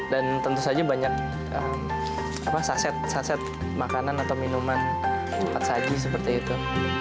dan tentu saja banyak saset saset makanan atau minuman tempat saji seperti itu